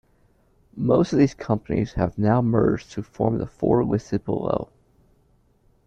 Most of these companies have now merged to form the four listed below.